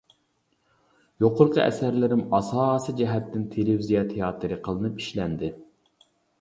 يۇقىرىقى ئەسەرلىرىم ئاساسىي جەھەتتىن تېلېۋىزىيە تىياتىرى قىلىنىپ ئىشلەندى.